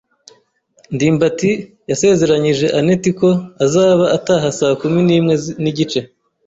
ndimbati yasezeranyije anet ko azaba ataha saa kumi nimwe nigice.